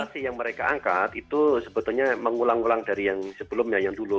aplikasi yang mereka angkat itu sebetulnya mengulang ulang dari yang sebelumnya yang dulu